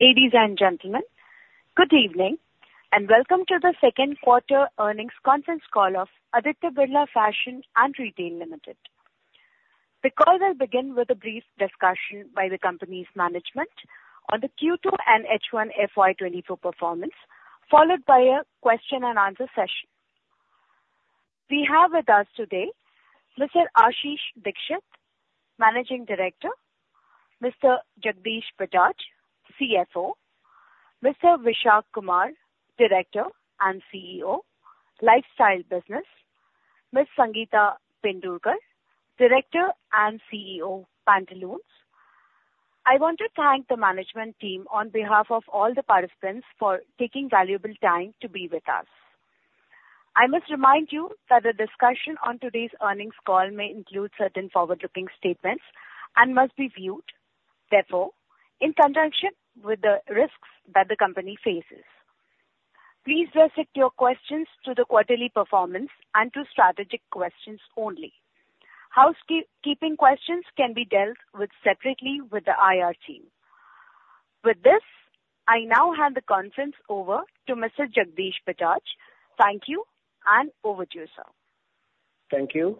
Ladies and gentlemen, good evening, and welcome to the Second Quarter Earnings Conference Call of Aditya Birla Fashion and Retail Limited. The call will begin with a brief discussion by the company's management on the Q2 and H1 FY 2024 performance, followed by a question and answer session. We have with us today Mr. Ashish Dikshit, Managing Director, Mr. Jagdish Bajaj, CFO, Mr. Vishak Kumar, Director and CEO, Lifestyle Business, Ms. Sangeeta Pendurkar, Director and CEO, Pantaloons. I want to thank the management team on behalf of all the participants for taking valuable time to be with us. I must remind you that the discussion on today's earnings call may include certain forward-looking statements and must be viewed, therefore, in conjunction with the risks that the company faces. Please restrict your questions to the quarterly performance and to strategic questions only. Housekeeping questions can be dealt with separately with the IR team. With this, I now hand the conference over to Mr. Jagdish Bajaj. Thank you, and over to you, sir. Thank you.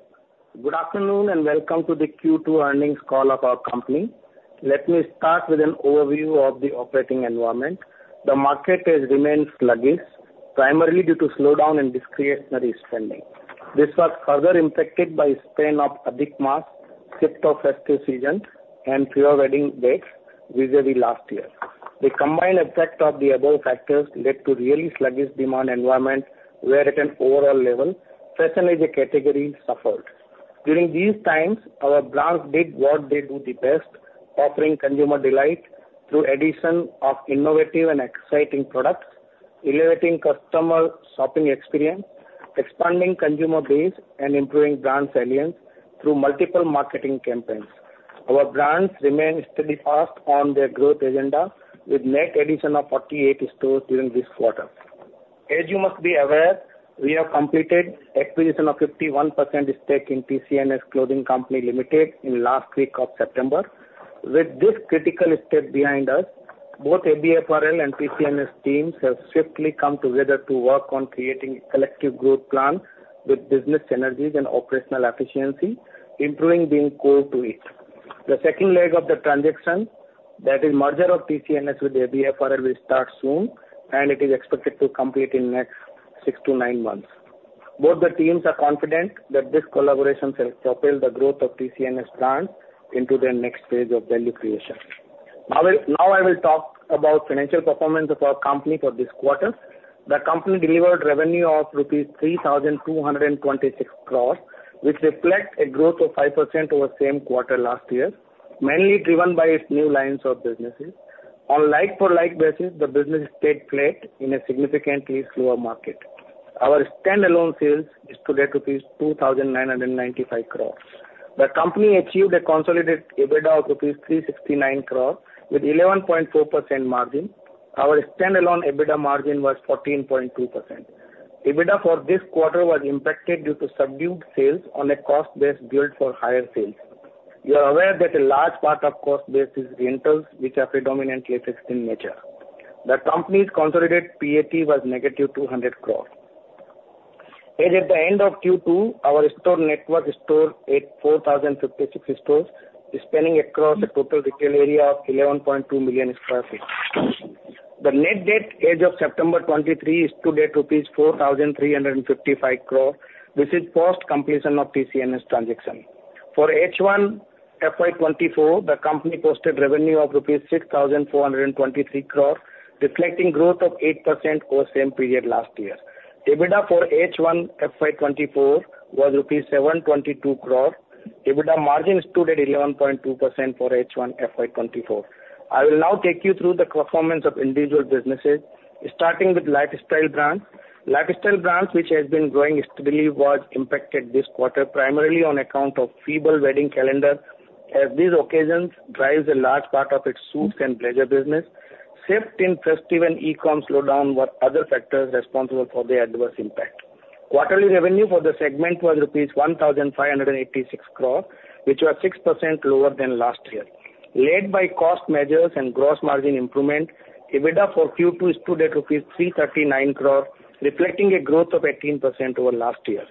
Good afternoon, and welcome to the Q2 Earnings Call of our company. Let me start with an overview of the operating environment. The market has remained sluggish, primarily due to slowdown in discretionary spending. This was further impacted by span of Adhik Maas, shift of festive season, and fewer wedding dates vis-à-vis last year. The combined effect of the above factors led to really sluggish demand environment, where at an overall level, fashion as a category suffered. During these times, our brands did what they do the best, offering consumer delight through addition of innovative and exciting products, elevating customer shopping experience, expanding consumer base, and improving brand salience through multiple marketing campaigns. Our brands remain steadfast on their growth agenda, with net addition of 48 stores during this quarter. As you must be aware, we have completed acquisition of 51% stake in TCNS Clothing Company Limited in last week of September. With this critical step behind us, both ABFRL and TCNS teams have swiftly come together to work on creating collective growth plans with business synergies and operational efficiency, improving being core to it. The second leg of the transaction, that is merger of TCNS with ABFRL, will start soon, and it is expected to complete in next six to nine months. Both the teams are confident that this collaboration shall propel the growth of TCNS brands into their next phase of value creation. Now I will talk about financial performance of our company for this quarter. The company delivered revenue of rupees 3,226 crores, which reflects a growth of 5% over same quarter last year, mainly driven by its new lines of businesses. On like-for-like basis, the business stayed flat in a significantly slower market. Our standalone sales stood at rupees 2,995 crores. The company achieved a consolidated EBITDA of rupees 369 crores with 11.4% margin. Our standalone EBITDA margin was 14.2%. EBITDA for this quarter was impacted due to subdued sales on a cost base built for higher sales. You are aware that a large part of cost base is rentals, which are predominantly fixed in nature. The company's consolidated PAT was -200 crores. As at the end of Q2, our store network stood at 4,056 stores, spanning across a total retail area of 11.2 million sq ft. The net debt as of September 2023 stood at rupees 4,355 crore. This is post completion of TCNS transaction. For H1 FY 2024, the company posted revenue of rupees 6,423 crore, reflecting growth of 8% over same period last year. EBITDA for H1 FY 2024 was rupees 722 crore. EBITDA margin stood at 11.2% for H1 FY 2024. I will now take you through the performance of individual businesses, starting with Lifestyle Brands. Lifestyle Brands, which has been growing steadily, was impacted this quarter, primarily on account of feeble wedding calendar, as these occasions drives a large part of its suits and leisure business. Shift in festive and e-com slowdown were other factors responsible for the adverse impact. Quarterly revenue for the segment was rupees 1,586 crore, which was 6% lower than last year. Led by cost measures and gross margin improvement, EBITDA for Q2 stood at rupees 339 crore, reflecting a growth of 18% over last year.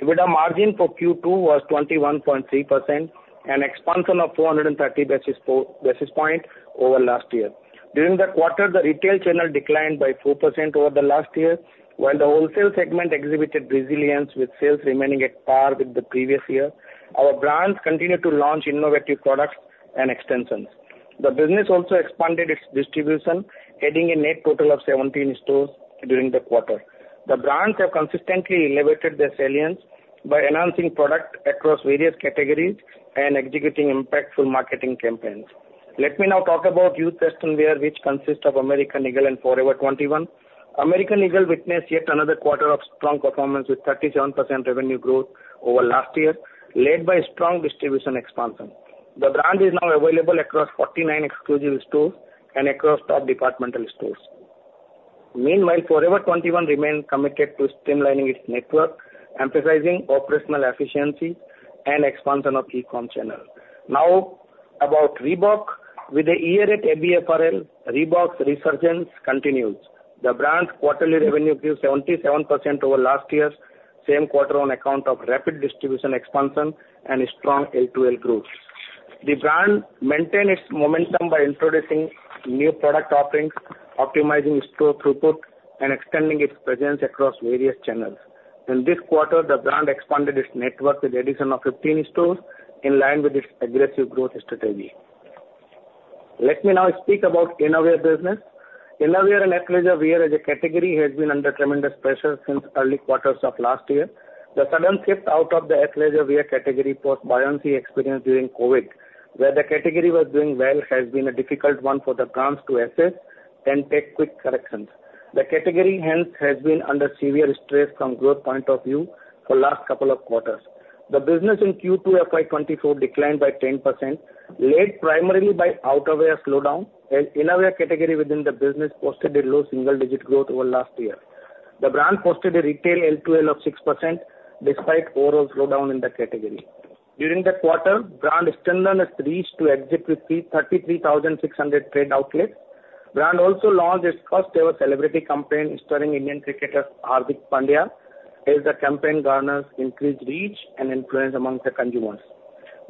EBITDA margin for Q2 was 21.3%, an expansion of 430 basis points over last year. During the quarter, the retail channel declined by 4% over the last year, while the wholesale segment exhibited resilience, with sales remaining at par with the previous year. Our brands continued to launch innovative products and extensions. The business also expanded its distribution, adding a net total of 17 stores during the quarter. The brands have consistently elevated their salience by enhancing product across various categories and executing impactful marketing campaigns. Let me now talk about youth western wear, which consists of American Eagle and Forever 21. American Eagle witnessed yet another quarter of strong performance, with 37% revenue growth over last year, led by strong distribution expansion. The brand is now available across 49 exclusive stores and across top departmental stores. Meanwhile, Forever 21 remains committed to streamlining its network, emphasizing operational efficiency and expansion of E-com channel. Now, about Reebok. With a year at ABFRL, Reebok's resurgence continues. The brand's quarterly revenue grew 77% over last year's same quarter on account of rapid distribution expansion and a strong L2L growth. The brand maintained its momentum by introducing new product offerings, optimizing store throughput, and extending its presence across various channels. In this quarter, the brand expanded its network with addition of 15 stores, in line with its aggressive growth strategy. Let me now speak about innerwear business. Innerwear and athleisure wear as a category, has been under tremendous pressure since early quarters of last year. The sudden shift out of the athleisure wear category, post buoyancy experienced during COVID, where the category was doing well, has been a difficult one for the brands to assess and take quick corrections. The category, hence, has been under severe stress from growth point of view for last couple of quarters. The business in Q2 FY24 declined by 10%, led primarily by outerwear slowdown, and innerwear category within the business posted a low single digit growth over last year. The brand posted a retail L2L of 6% despite overall slowdown in the category. During the quarter, brand extended its reach to exactly 33,600 trade outlets. Brand also launched its first ever celebrity campaign starring Indian cricketer, Hardik Pandya, as the campaign garners increased reach and influence amongst the consumers.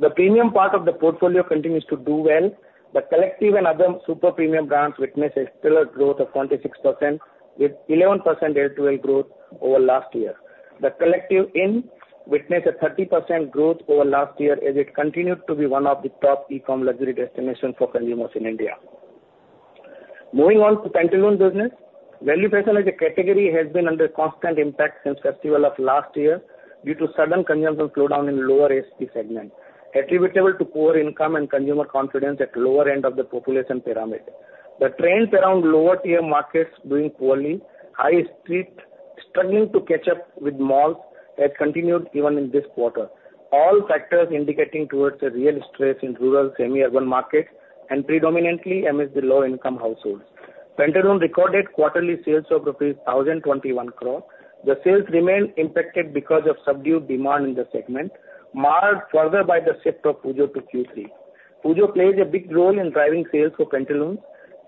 The premium part of the portfolio continues to do well. The Collective and other super premium brands witnessed a stellar growth of 26%, with 11% L2L growth over last year. TheCollective.in witnessed a 30% growth over last year, as it continued to be one of the top E-com luxury destinations for consumers in India. Moving on to Pantaloons business. Value fashion as a category, has been under constant impact since festival of last year due to sudden consumer slowdown in lower ASP segment, attributable to poor income and consumer confidence at lower end of the population pyramid. The trends around lower tier markets doing poorly, high street struggling to catch up with malls, has continued even in this quarter. All factors indicating towards a real stress in rural, semi-urban markets and predominantly amidst the low-income households. Pantaloons recorded quarterly sales of INR 1,021 crore. The sales remained impacted because of subdued demand in the segment, marred further by the shift of Pujo to Q3. Pujo plays a big role in driving sales for Pantaloons,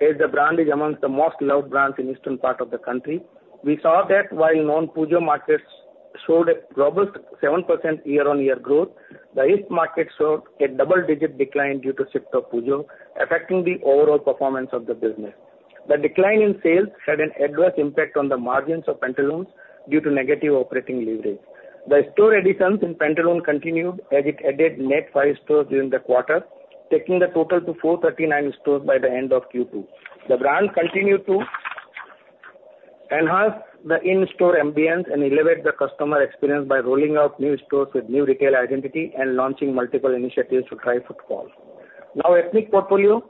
as the brand is amongst the most loved brands in Eastern part of the country. We saw that while non-Pujo markets showed a robust 7% year-on-year growth, the East market showed a double-digit decline due to shift of Pujo, affecting the overall performance of the business. The decline in sales had an adverse impact on the margins of Pantaloons due to negative operating leverage. The store additions in Pantaloons continued, as it added net five stores during the quarter, taking the total to 439 stores by the end of Q2. The brand continued to enhance the in-store ambience and elevate the customer experience by rolling out new stores with new retail identity and launching multiple initiatives to drive footfall. Now, ethnic portfolio.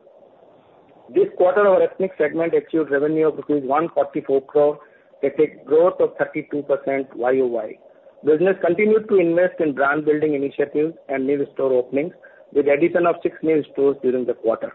This quarter, our ethnic segment achieved revenue of rupees 144 crore, at a growth of 32% YoY. Business continued to invest in brand building initiatives and new store openings, with addition of six new stores during the quarter.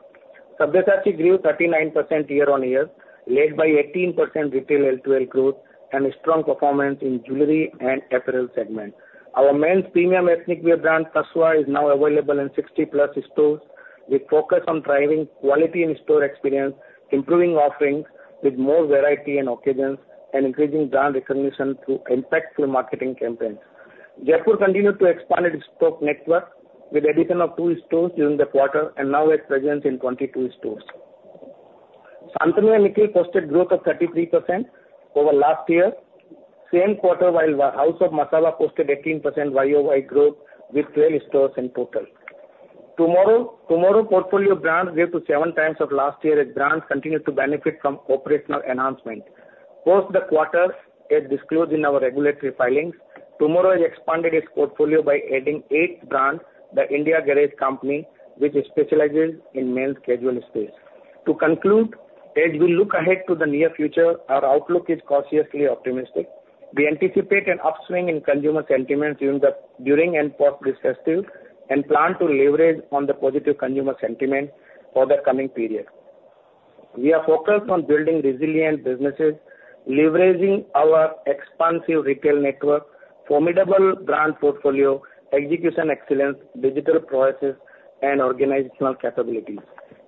Sabyasachi grew 39% year-on-year, led by 18% retail L2L growth and a strong performance in jewelry and apparel segment. Our men's premium ethnic wear brand, Tasva, is now available in 60+ stores. We focus on driving quality in store experience, improving offerings with more variety and occasions, and increasing brand recognition through impactful marketing campaigns. Jaypore continued to expand its store network with addition of two stores during the quarter, and now has presence in 22 stores. Shantnu & Nikhil posted growth of 33% over last year, same quarter, while House of Masaba posted 18% YoY growth, with 12 stores in total. TMRW, TMRW portfolio brands grew to 7x of last year, as brands continued to benefit from operational enhancement. Post the quarter, as disclosed in our regulatory filings, TMRW has expanded its portfolio by adding eight brands, The Indian Garage Co, which specializes in men's casual space. To conclude, as we look ahead to the near future, our outlook is cautiously optimistic. We anticipate an upswing in consumer sentiment during and post this festive, and plan to leverage on the positive consumer sentiment for the coming period. We are focused on building resilient businesses, leveraging our expansive retail network, formidable brand portfolio, execution excellence, digital prowess and organizational capabilities.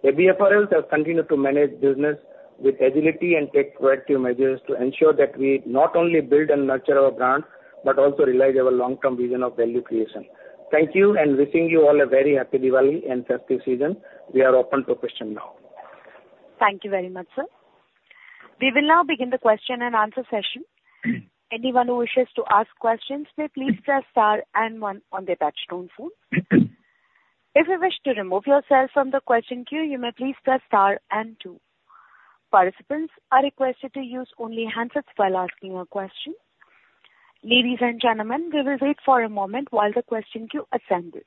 ABFRL has continued to manage business with agility and take proactive measures to ensure that we not only build and nurture our brands, but also realize our long-term vision of value creation. Thank you, and wishing you all a very happy Diwali and festive season. We are open to question now. Thank you very much, sir. We will now begin the question and answer session. Anyone who wishes to ask questions, may please press star and one on their touchtone phone. If you wish to remove yourself from the question queue, you may please press star and two. Participants are requested to use only handsets while asking your question. Ladies and gentlemen, we will wait for a moment while the question queue assembles....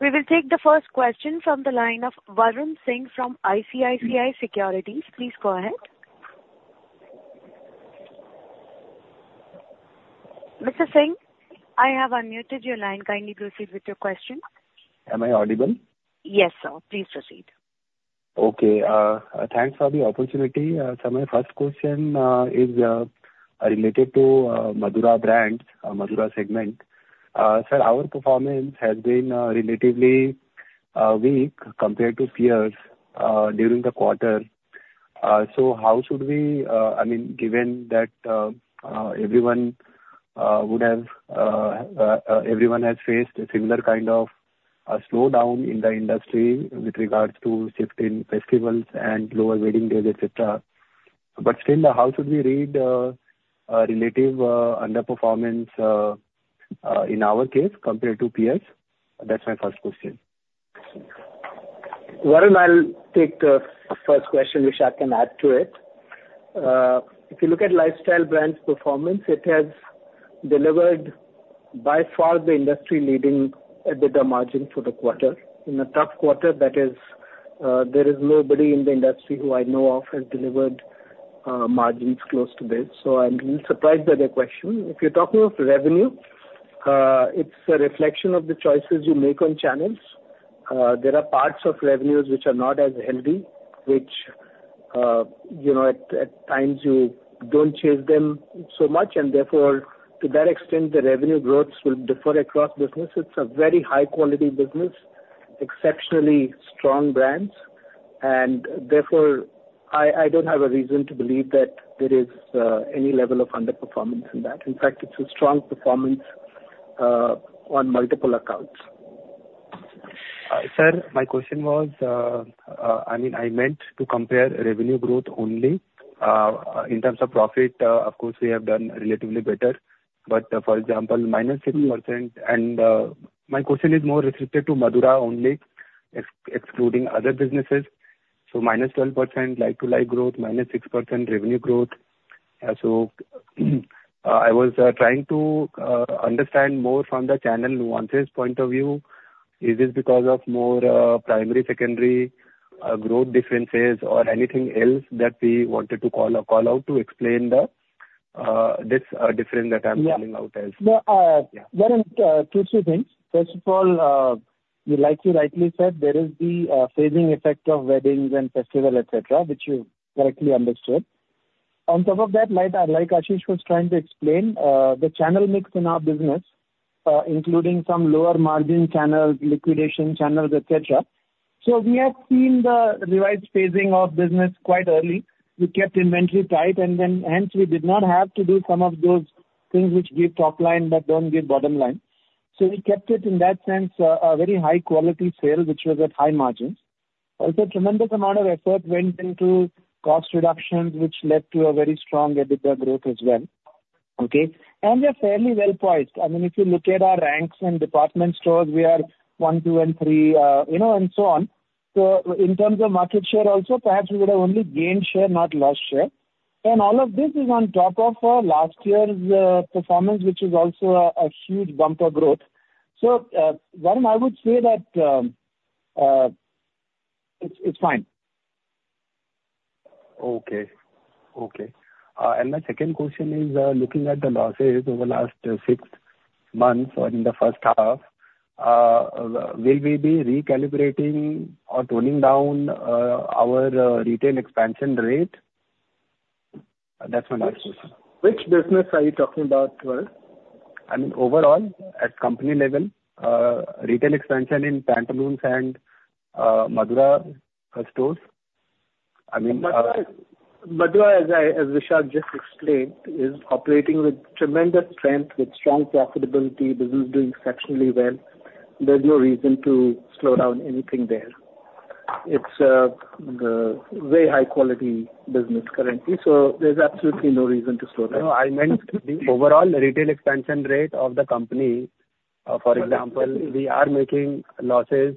We will take the first question from the line of Varun Singh from ICICI Securities. Please go ahead. Mr. Singh, I have unmuted your line. Kindly proceed with your question. Am I audible? Yes, sir. Please proceed. Okay, thanks for the opportunity. So my first question is related to Madura Brands, Madura segment. Sir, our performance has been relatively weak compared to peers during the quarter. So how should we—I mean, given that everyone would have, everyone has faced a similar kind of a slowdown in the industry with regards to shift in festivals and lower wedding days, et cetera. But still, how should we read our relative underperformance in our case compared to peers? That's my first question. Varun, I'll take the first question, which I can add to it. If you look at Lifestyle Brands' performance, it has delivered by far the industry-leading EBITDA margin for the quarter. In a tough quarter, that is, there is nobody in the industry who I know of has delivered, margins close to this, so I'm a little surprised by the question. If you're talking of revenue, it's a reflection of the choices you make on channels. There are parts of revenues which are not as healthy, which, you know, at times you don't chase them so much, and therefore, to that extent, the revenue growth will differ across businesses. It's a very high quality business, exceptionally strong brands, and therefore, I don't have a reason to believe that there is, any level of underperformance in that. In fact, it's a strong performance on multiple accounts. Sir, my question was, I mean, I meant to compare revenue growth only. In terms of profit, of course, we have done relatively better, but for example, -6%. My question is more restricted to Madura only, excluding other businesses. So -12% like-to-like growth, -6% revenue growth. So I was trying to understand more from the channel nuances point of view. Is this because of more primary, secondary growth differences or anything else that we wanted to call out to explain this difference that I'm calling out? Yeah. Varun, two things. First of all, like you rightly said, there is the phasing effect of weddings and festival, et cetera, which you correctly understood. On top of that, like, like Ashish was trying to explain, the channel mix in our business, including some lower margin channels, liquidation channels, et cetera. So we have seen the revised phasing of business quite early. We kept inventory tight, and then hence, we did not have to do some of those things which give top line, but don't give bottom line. So we kept it, in that sense, a very high quality sale, which was at high margins. Also, tremendous amount of effort went into cost reductions, which led to a very strong EBITDA growth as well. Okay? And we're fairly well poised. I mean, if you look at our brands and department stores, we are one, two, and three, you know, and so on. So in terms of market share also, perhaps we would have only gained share, not lost share. And all of this is on top of last year's performance, which is also a huge bumper growth. So, Varun, I would say that it's fine. Okay. Okay. My second question is, looking at the losses over the last six months or in the first half, will we be recalibrating or toning down our retail expansion rate? That's my last question. Which business are you talking about, Varun? I mean, overall, at company level, retail expansion in Pantaloons and, Madura, stores. I mean, Madura, Madura, as Vishak just explained, is operating with tremendous strength, with strong profitability. Business is doing exceptionally well. There's no reason to slow down anything there. It's a very high quality business currently, so there's absolutely no reason to slow down. No, I meant the overall retail expansion rate of the company. For example, we are making losses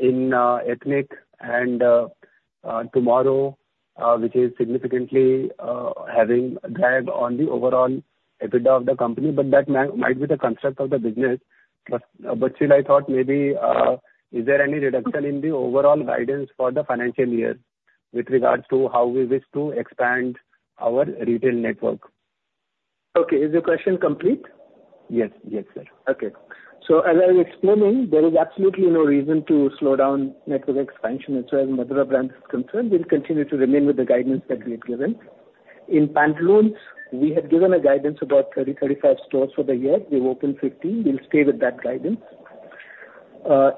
in ethnic and TMRW, which is significantly having a drag on the overall EBITDA of the company, but that might be the construct of the business. But still, I thought maybe is there any reduction in the overall guidance for the financial year with regards to how we wish to expand our retail network? Okay. Is your question complete? Yes. Yes, sir. Okay. So as I was explaining, there is absolutely no reason to slow down network expansion. And so as Madura Brand is concerned, we'll continue to remain with the guidance that we have given. In Pantaloons, we had given a guidance about 30 to 35 stores for the year. We've opened 15. We'll stay with that guidance.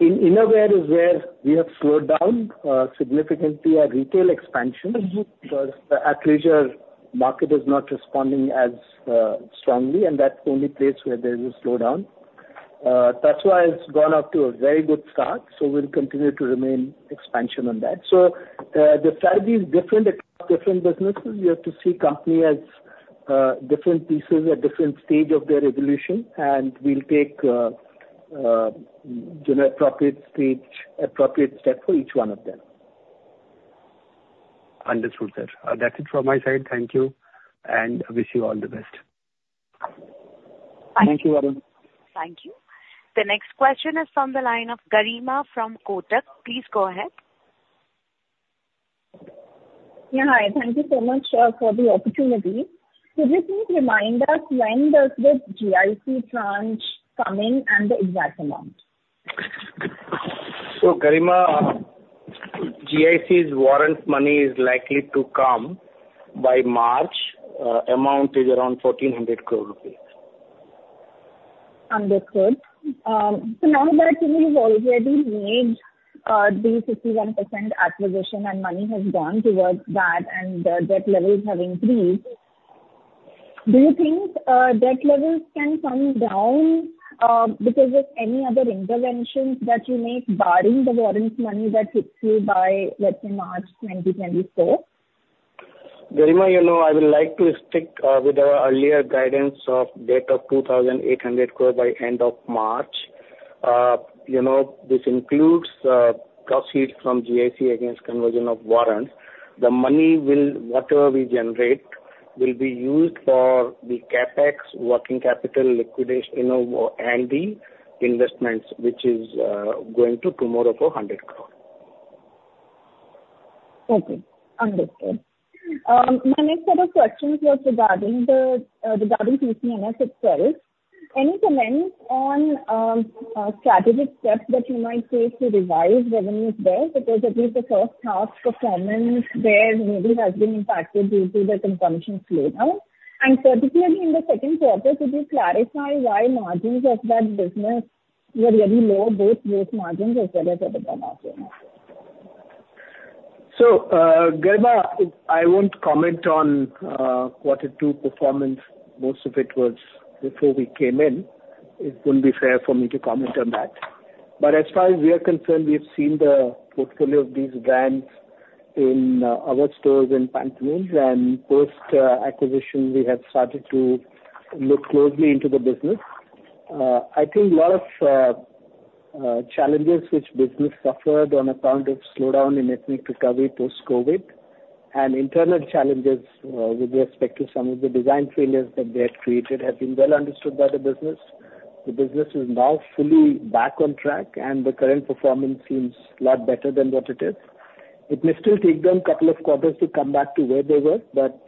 In Innerwear is where we have slowed down significantly our retail expansion, because the athleisure market is not responding as strongly, and that's the only place where there is a slowdown. That's why it's gone off to a very good start, so we'll continue to remain expansion on that. So, the strategy is different across different businesses. You have to see company as different pieces at different stage of their evolution, and we'll take you know, appropriate stage, appropriate step for each one of them. Understood, Sir. That's it from my side. Thank you, and wish you all the best. Thank you, Varun. Thank you. The next question is from the line of Garima from Kotak. Please go ahead. Yeah, hi. Thank you so much for the opportunity. Could you please remind us when does the GIC tranche come in and the exact amount? Garima, GIC's warrant money is likely to come by March. Amount is around 1,400 crore rupees. Understood. So now that you've already made the 51% acquisition and money has gone towards that and the, the debt levels have increased, do you think debt levels can come down because of any other interventions that you make barring the warrant money that hits you by, let's say, March 2024? Garima, you know, I would like to stick with the earlier guidance of debt of 2,800 crore by end of March. You know, this includes proceeds from GIC against conversion of warrants. The money will, whatever we generate, will be used for the CapEx, working capital, liquidation of-- and the investments, which is going to TMRW for 100 crore. Okay. Understood. My next set of questions was regarding the, regarding TCNS itself. Any comments on, strategic steps that you might take to revise revenues there? Because that is the first half performance there maybe has been impacted due to the consumption slowdown. And particularly in the second quarter, could you clarify why margins of that business were really low, both gross margins as well as EBITDA margins? So, Garima, I won't comment on quarter two performance. Most of it was before we came in. It wouldn't be fair for me to comment on that. But as far as we are concerned, we've seen the portfolio of these brands in our stores in Pantaloons, and post acquisition, we have started to look closely into the business. I think a lot of challenges which business suffered on account of slowdown in ethnic recovery post-COVID, and internal challenges with respect to some of the design failures that they had created, have been well understood by the business. The business is now fully back on track, and the current performance seems a lot better than what it is. It may still take them a couple of quarters to come back to where they were, but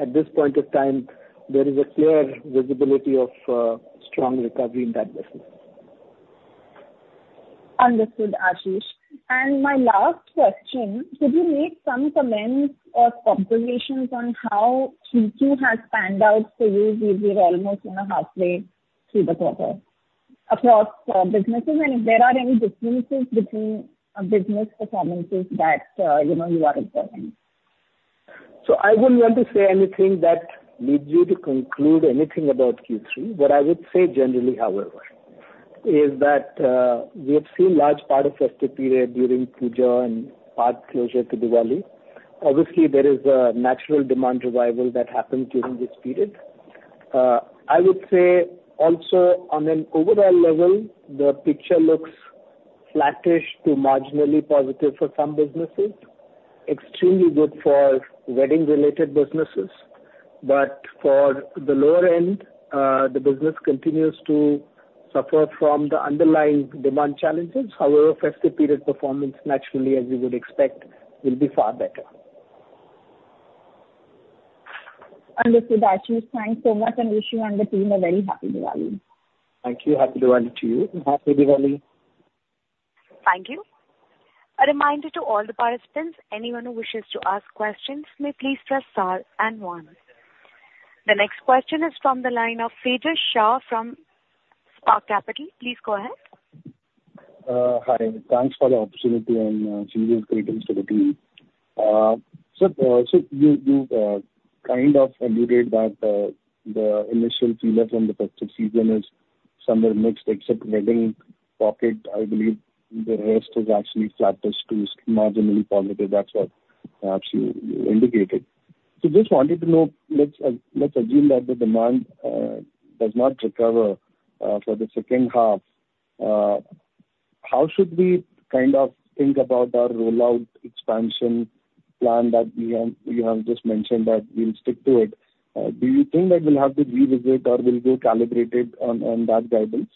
at this point in time, there is a clear visibility of strong recovery in that business. Understood, Ashish. My last question, could you make some comments or observations on how Q2 has panned out for you as we're almost in a halfway through the quarter across businesses? If there are any differences between business performances that you know you are observing. So I wouldn't want to say anything that leads you to conclude anything about Q3. What I would say generally, however, is that, we have seen large part of festive period during Pujo and part closure to Diwali. Obviously, there is a natural demand revival that happened during this period. I would say also, on an overall level, the picture looks flattish to marginally positive for some businesses, extremely good for wedding-related businesses. But for the lower end, the business continues to suffer from the underlying demand challenges. However, festive period performance, naturally, as you would expect, will be far better. Understood, Ashish. Thanks so much, and wish you and the team a very happy Diwali. Thank you. Happy Diwali to you, and happy Diwali! Thank you. A reminder to all the participants, anyone who wishes to ask questions may please press star and one. The next question is from the line of Tejas Shah from Spark Capital. Please go ahead. Hi, thanks for the opportunity and season's greetings to the team. So, you kind of indicated that the initial feeler from the festive season is somewhere mixed, except wedding pocket. I believe the rest is actually flattish to marginally positive. That's what you indicated. So just wanted to know, let's assume that the demand does not recover for the second half. How should we kind of think about our rollout expansion plan that we have you have just mentioned that we'll stick to it. Do you think that we'll have to revisit or we'll be calibrated on that guidance?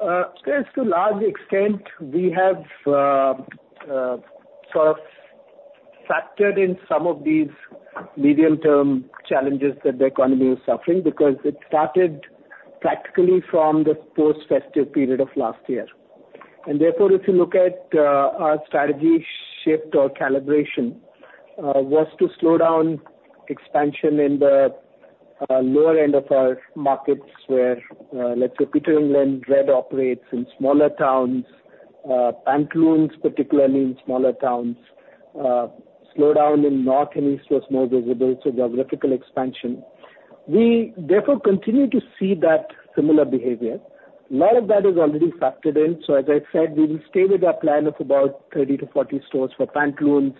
Tejas, to a large extent, we have sort of factored in some of these medium-term challenges that the economy is suffering, because it started practically from the post-festive period of last year. Therefore, if you look at our strategy shift or calibration, it was to slow down expansion in the lower end of our markets where, let's say, Peter England operates in smaller towns, Pantaloons, particularly in smaller towns, slowed down in north and east was more visible to geographical expansion. We therefore continue to see that similar behavior. A lot of that is already factored in. As I said, we will stay with our plan of about 30 to 40 stores for Pantaloons.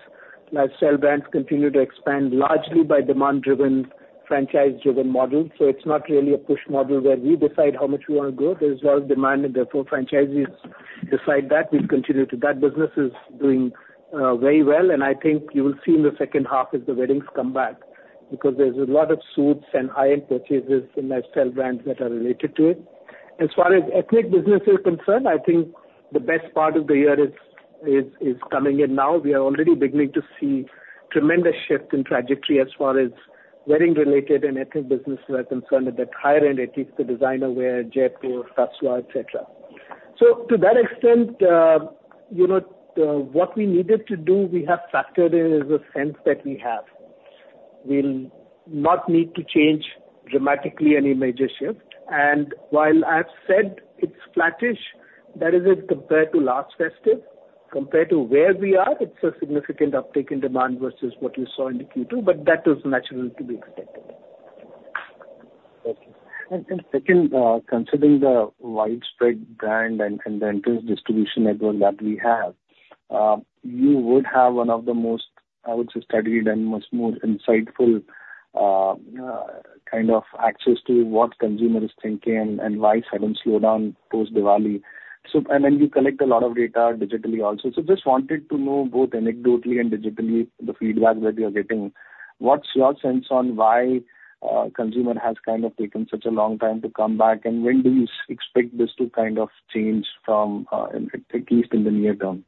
Lifestyle Brands continue to expand largely by demand-driven, franchise-driven model. It's not really a push model where we decide how much we wanna grow. There's a lot of demand, and therefore, franchises decide that. We've continued to. That business is doing very well, and I think you will see in the second half as the weddings come back, because there's a lot of suits and high-end purchases in Lifestyle Brands that are related to it. As far as ethnic business is concerned, I think the best part of the year is coming in now. We are already beginning to see tremendous shift in trajectory as far as wedding related and ethnic business are concerned, at that higher end, at least the designer wear, Jaypore, Tasva, et cetera. So to that extent, you know, the what we needed to do, we have factored in as a sense that we have. We'll not need to change dramatically any major shift, and while I've said it's flattish, that is it compared to last festive. Compared to where we are, it's a significant uptick in demand versus what you saw in the Q2, but that was natural to be expected. Okay. And second, considering the widespread brand and the entire distribution network that we have, you would have one of the most, I would say, studied and much more insightful kind of access to what consumer is thinking and why sudden slowdown post Diwali. So. And then you collect a lot of data digitally also. So just wanted to know both anecdotally and digitally, the feedback that you're getting. What's your sense on why consumer has kind of taken such a long time to come back, and when do you expect this to kind of change from, at least in the near term?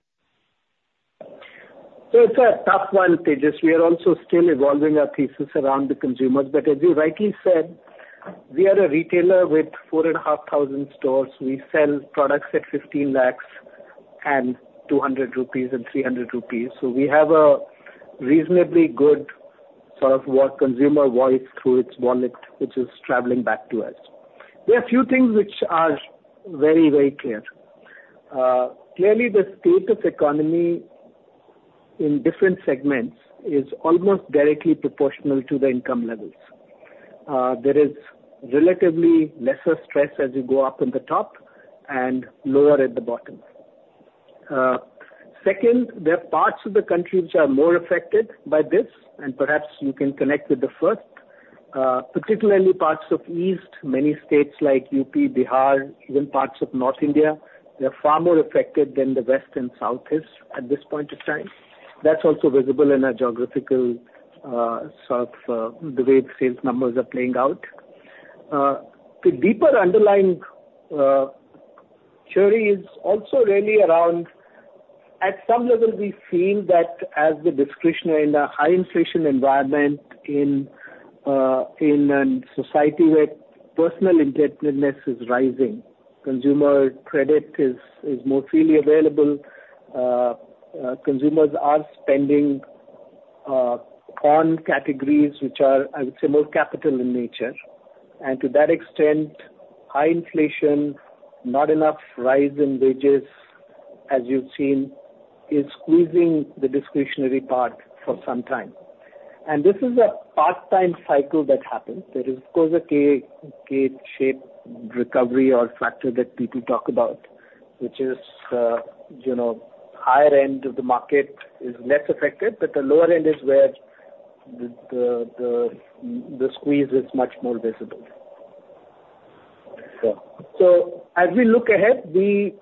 So it's a tough one, Tejas. We are also still evolving our thesis around the consumers. But as you rightly said, we are a retailer with 4,500 stores. We sell products at 15 lakh and 200 rupees and 300 rupees. So we have a reasonably good sort of what consumer voice through its wallet, which is traveling back to us. There are a few things which are very, very clear. Clearly, the state of economy in different segments is almost directly proportional to the income levels. There is relatively lesser stress as you go up in the top and lower at the bottom. Second, there are parts of the country which are more affected by this, and perhaps you can connect with the first, particularly parts of East, many states like UP, Bihar, even parts of North India, they are far more affected than the West and Southeast at this point in time. That's also visible in our geographical, sort of, the way sales numbers are playing out. The deeper underlying story is also really around... At some level, we feel that as the discretionary in a high inflation environment in, in a society where personal indebtedness is rising, consumer credit is, is more freely available, consumers are spending, on categories which are, I would say, more capital in nature. And to that extent, high inflation, not enough rise in wages, as you've seen, is squeezing the discretionary part for some time. This is part of the cycle that happens. There is, of course, a K-shaped recovery or factor that people talk about, which is, you know, higher end of the market is less affected, but the lower end is where the squeeze is much more visible. So as we look ahead, we,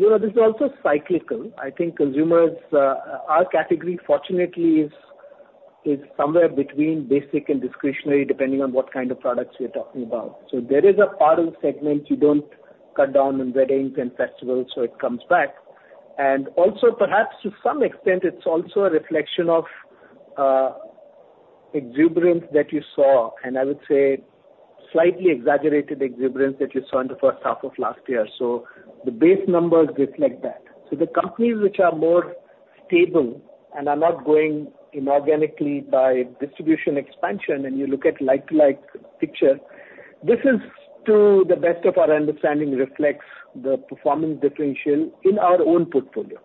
you know, this is also cyclical. I think consumers, our category, fortunately, is somewhere between basic and discretionary, depending on what kind of products we are talking about. So there is a part of the segment you don't cut down on weddings and festivals, so it comes back. And also, perhaps to some extent, it's also a reflection of exuberance that you saw, and I would say slightly exaggerated exuberance that you saw in the first half of last year. So the base numbers reflect that. The companies which are more stable and are not growing inorganically by distribution expansion, and you look at like-to-like picture, this is, to the best of our understanding, reflects the performance differential in our own portfolio.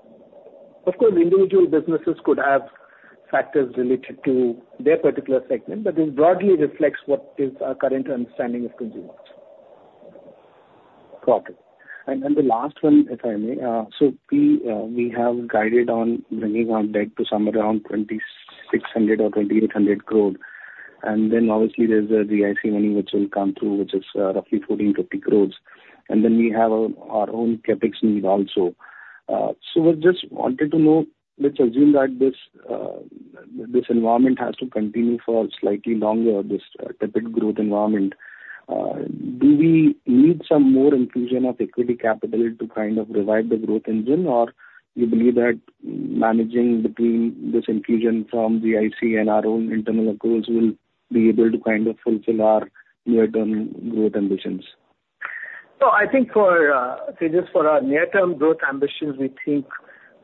Of course, individual businesses could have factors related to their particular segment, but this broadly reflects what is our current understanding of consumers. Got it. And, and the last one, if I may. So we, we have guided on bringing our debt to somewhere around 2,600 crore or 2,800 crore. And then obviously, there's the GIC money which will come through, which is roughly 1,400 crore. And then we have our, our own CapEx need also. So I just wanted to know, let's assume that this, this environment has to continue for slightly longer, this tepid growth environment, do we need some more infusion of equity capital to kind of revive the growth engine? Or you believe that managing between this infusion from the GIC and our own internal accruals will be able to kind of fulfill our near-term growth ambitions? So I think for Tejas, for our near-term growth ambitions, we think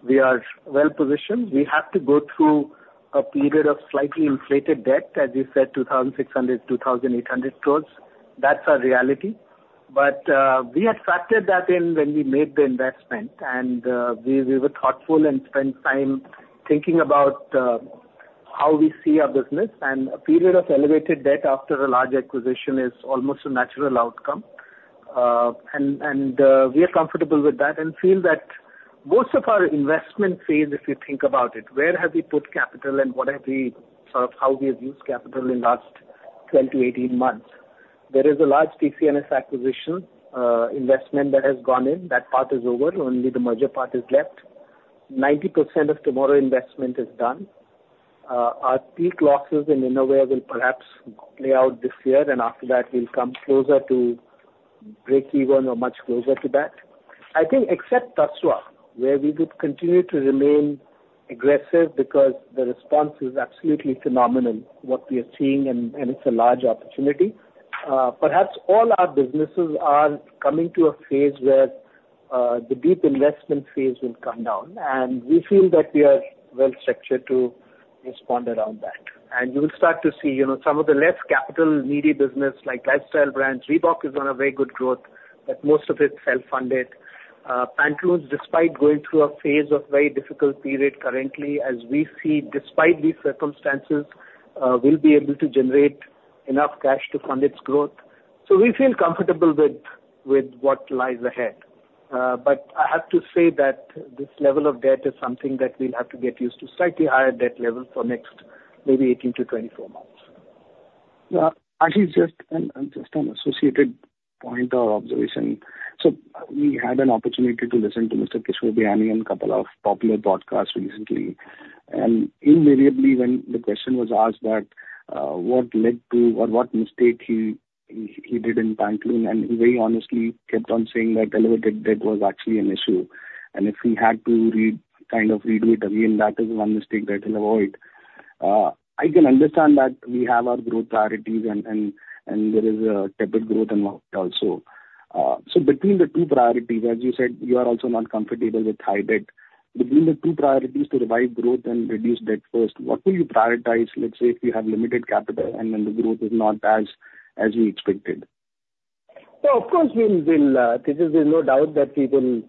we are well positioned. We have to go through a period of slightly inflated debt, as you said, 2,600 to 2,800 crores. That's our reality. But we had factored that in when we made the investment, and we were thoughtful and spent time thinking about how we see our business. And a period of elevated debt after a large acquisition is almost a natural outcome... and we are comfortable with that, and feel that most of our investment phase, if you think about it, where have we put capital and what have we, sort of how we have used capital in last 12-18 months? There is a large TCNS acquisition, investment that has gone in. That part is over, only the merger part is left. 90% of TMRW investment is done. Our peak losses in Innerwear will perhaps play out this year, and after that we'll come closer to breakeven or much closer to that. I think except Tasva, where we would continue to remain aggressive because the response is absolutely phenomenal, what we are seeing, and it's a large opportunity. Perhaps all our businesses are coming to a phase where the deep investment phase will come down, and we feel that we are well structured to respond around that. And you'll start to see, you know, some of the less capital-needy business like Lifestyle Brands. Reebok is on a very good growth, but most of it's self-funded. Pantaloons, despite going through a phase of very difficult period currently, as we see, despite these circumstances, we'll be able to generate enough cash to fund its growth. So we feel comfortable with, with what lies ahead. But I have to say that this level of debt is something that we'll have to get used to, slightly higher debt level for next maybe 18-24 months. Yeah. Ashish, just an associated point or observation. So we had an opportunity to listen to Mr. Kishore Biyani on couple of popular broadcasts recently, and invariably, when the question was asked that what led to or what mistake he did in Pantaloons, and he very honestly kept on saying that elevated debt was actually an issue. And if he had to re-kind of redo it again, that is one mistake that he'll avoid. I can understand that we have our growth priorities and there is a tepid growth involved also. So between the two priorities, as you said, you are also not comfortable with high debt. Between the two priorities, to revive growth and reduce debt first, what will you prioritize, let's say, if you have limited capital and then the growth is not as you expected? Of course, we will. There is no doubt that we will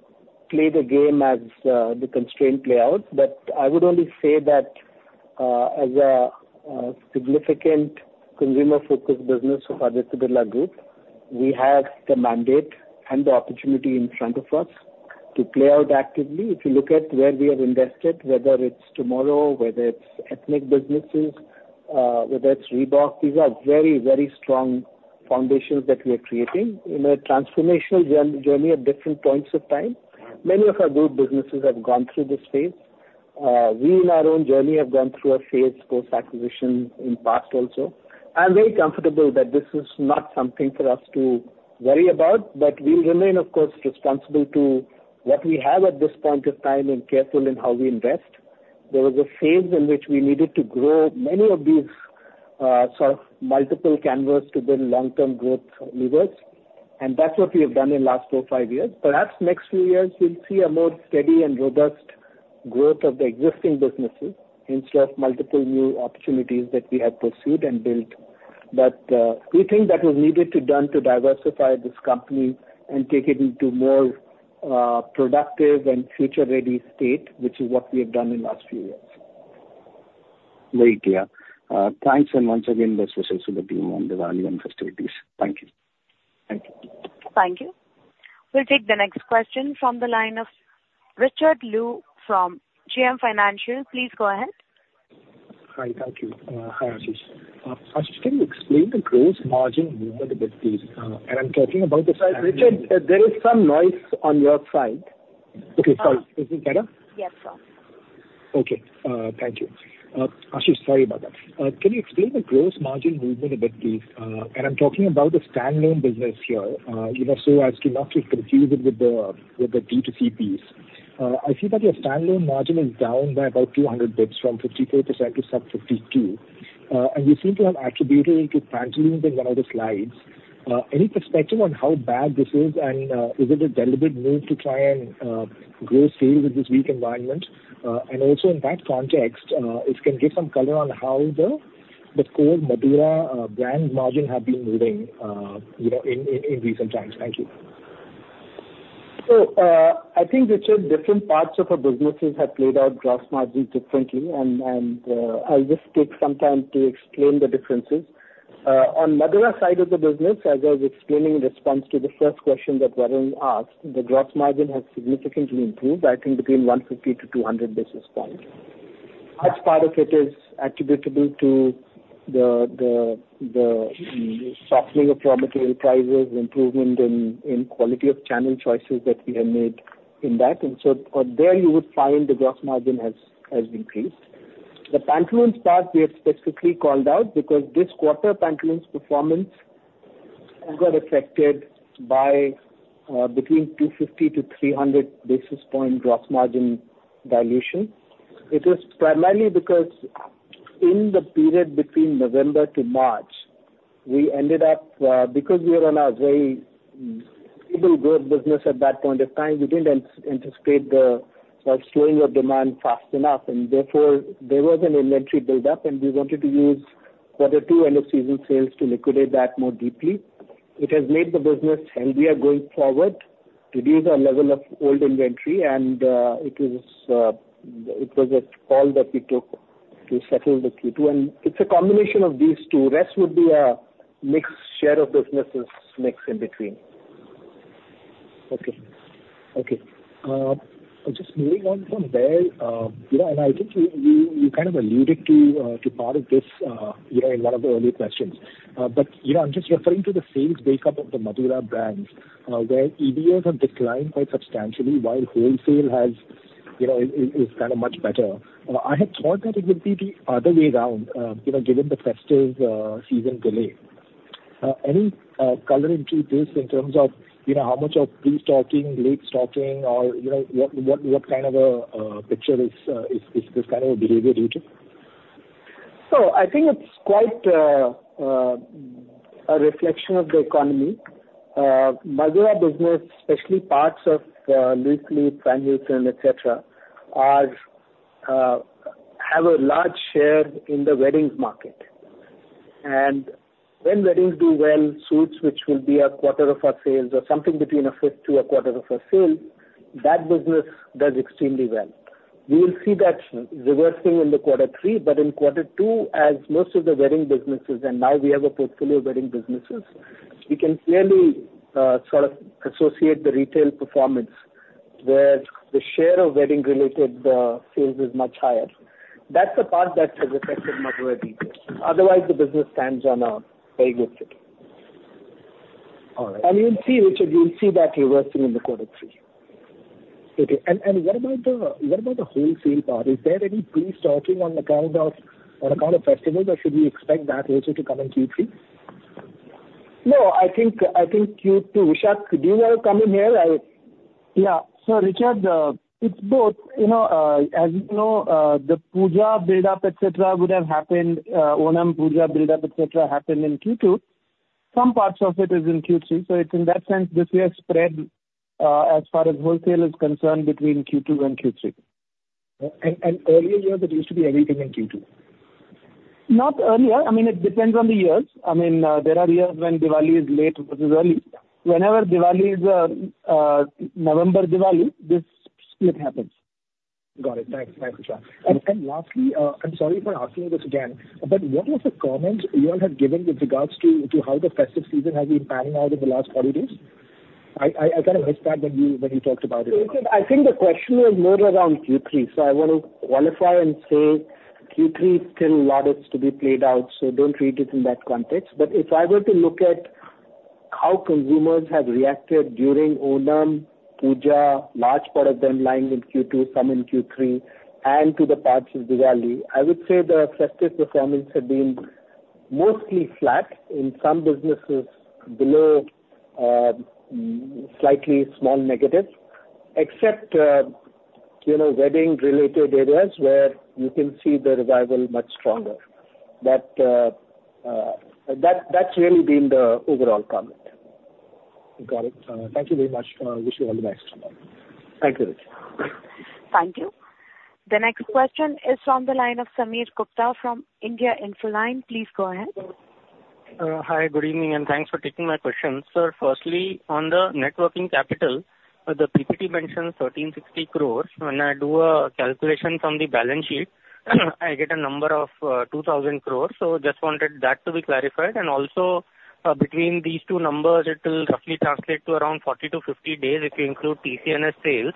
play the game as the constraints play out. But I would only say that as a significant consumer-focused business for Aditya Birla Group, we have the mandate and the opportunity in front of us to play out actively. If you look at where we have invested, whether it's TMRW, whether it's ethnic businesses, whether it's Reebok, these are very, very strong foundations that we are creating in a transformational journey at different points of time. Many of our good businesses have gone through this phase. We, in our own journey, have gone through a phase, post-acquisition in the past also. I'm very comfortable that this is not something for us to worry about, but we remain, of course, responsible to what we have at this point of time and careful in how we invest. There was a phase in which we needed to grow many of these, sort of multiple canvas to build long-term growth levers, and that's what we have done in last four, five years. Perhaps next few years, we'll see a more steady and robust growth of the existing businesses, instead of multiple new opportunities that we have pursued and built. But, we think that was needed to done to diversify this company and take it into more, productive and future-ready state, which is what we have done in last few years. Very clear. Thanks, and once again, best wishes to the team on the volume festivities. Thank you. Thank you. Thank you. We'll take the next question from the line of Richard Liu from JM Financial. Please go ahead. Hi. Thank you. Hi, Ashish. First, can you explain the gross margin movement a bit, please? And I'm talking about the- Richard, there is some noise on your side. Okay, sorry. Is it better? Yes, sir. Okay, thank you. Ashish, sorry about that. Can you explain the gross margin movement a bit, please? And I'm talking about the standalone business here, you know, so as to not to confuse it with the, with the B2C piece. I see that your standalone margin is down by about 200 basis points, from 54% to sub 52%. And you seem to have attributed it to Pantaloons in one of the slides. Any perspective on how bad this is? And, is it a deliberate move to try and grow sales with this weak environment? And also in that context, if you can give some color on how the core Madura brand margin have been moving, you know, in recent times. Thank you. So, I think, Richard, different parts of our businesses have played out gross margin differently, and, and, I'll just take some time to explain the differences. On Madura side of the business, as I was explaining in response to the first question that Varun asked, the gross margin has significantly improved, I think between 150 to 200 basis points. Much part of it is attributable to the softening of raw material prices, improvement in quality of channel choices that we have made in that. And so there you would find the gross margin has increased. The Pantaloons part, we have specifically called out, because this quarter, Pantaloons' performance got affected by between 250 to 300 basis point gross margin dilution. It was primarily because in the period between November to March, we ended up, because we were on a very stable growth business at that point of time, we didn't anticipate the slowing of demand fast enough, and therefore, there was an inventory buildup, and we wanted to use quarter two end of season sales to liquidate that more deeply. It has made the business... and we are going forward to reduce our level of old inventory, and it was a call that we took to settle the Q2, and it's a combination of these two. Rest would be a mixed share of businesses mixed in between. Okay. Okay, just moving on from there, you know, and I think you kind of alluded to part of this, you know, in one of the earlier questions. But, you know, I'm just referring to the sales breakup of the Madura brands, where EBOs have declined quite substantially, while wholesale has, you know, is kind of much better. I had thought that it would be the other way around, you know, given the festive season delay. Any color into this in terms of, you know, how much of pre-stocking, late stocking or, you know, what kind of a picture is this kind of a behavior due to? So I think it's quite a reflection of the economy. Madura business, especially parts of Louis Philippe, Pantaloons, et cetera, have a large share in the weddings market. And when weddings do well, suits, which will be a quarter of our sales or something between a fifth to a quarter of our sales, that business does extremely well. We will see that reversing in quarter three, but in quarter two, as most of the wedding businesses, and now we have a portfolio of wedding businesses, we can clearly sort of associate the retail performance, where the share of wedding related sales is much higher. That's the part that has affected Madura deeply. Otherwise, the business stands on a very good stead. All right. You'll see, Richard, you'll see that reversing in the quarter three. Okay. And what about the wholesale part? Is there any pre-stocking on account of festivals, or should we expect that later to come in Q3? No, I think Q2... Vishak, do you want to come in here? Yeah. So, Richard, it's both. You know, as you know, the Puja build-up, et cetera, would have happened, Onam, Pujo build-up, et cetera, happened in Q2. Some parts of it is in Q3, so it's in that sense, this year spread, as far as wholesale is concerned, between Q2 and Q3. And earlier years, it used to be everything in Q2? Not earlier. I mean, it depends on the years. I mean, there are years when Diwali is late versus early. Whenever Diwali is, November Diwali, this split happens. Got it. Thanks. Thanks, Vishak. And lastly, I'm sorry for asking this again, but what was the comment you all had given with regards to how the festive season has been panning out in the last 40 days? I kind of missed that when you talked about it. Richard, I think the question was more around Q3, so I want to qualify and say Q3 still a lot is to be played out, so don't read it in that context. But if I were to look at how consumers have reacted during Onam, Puja, large part of them lying in Q2, some in Q3, and to the parts of Diwali, I would say the festive performance have been mostly flat, in some businesses below, slightly small negative, except, you know, wedding related areas where you can see the revival much stronger. But, that, that's really been the overall comment. Got it. Thank you very much. Wish you all the best. Thank you, Richard. Thank you. The next question is from the line of Sameer Gupta from India Infoline. Please go ahead. Hi, good evening, and thanks for taking my question. Sir, firstly, on the net working capital, the PPT mentions 1,360 crore. When I do a calculation from the balance sheet, I get a number of 2,000 crore. So just wanted that to be clarified. Also, between these two numbers, it will roughly translate to around 40 to 50 days if you include TCNS sales.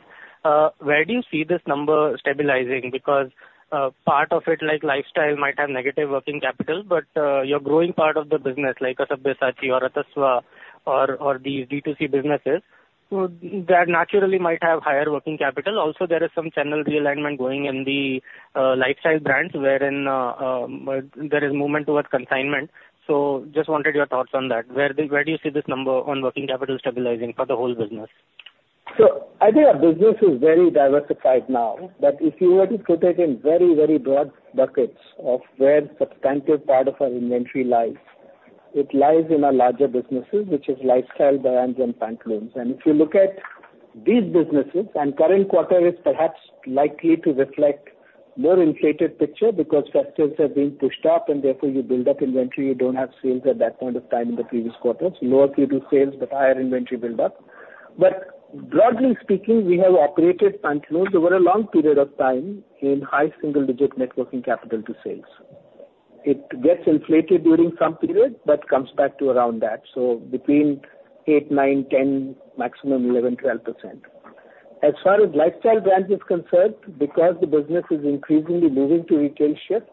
Where do you see this number stabilizing? Because part of it, like Lifestyle, might have negative working capital, but your growing part of the business, like Sabyasachi or Tasva or these D2C businesses, so that naturally might have higher working capital. Also, there is some channel realignment going on in the Lifestyle Brands, wherein there is movement towards consignment. So just wanted your thoughts on that. Where do you see this number on working capital stabilizing for the whole business? So I think our business is very diversified now, that if you were to put it in very, very broad buckets of where substantive part of our inventory lies, it lies in our larger businesses, which is Lifestyle Brands and Pantaloons. If you look at these businesses, and current quarter is perhaps likely to reflect more inflated picture, because festivals have been pushed up, and therefore you build up inventory, you don't have sales at that point of time in the previous quarters. Lower Q2 sales, but higher inventory build-up. But broadly speaking, we have operated Pantaloons over a long period of time in high single digit net working capital to sales. It gets inflated during some period, but comes back to around that, so between 8%, 9%, 10%, maximum 11%, 12%. As far as Lifestyle Brands is concerned, because the business is increasingly moving to retail shift,